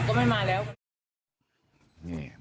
ผมกลับวันนี้แหละพรุ่งนี้ผมก็ไม่มาแล้ว